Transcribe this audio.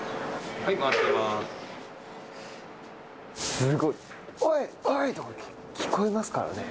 すごいおいおいとか聞こえますからね。